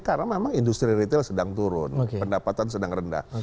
karena memang industri retail sedang turun pendapatan sedang rendah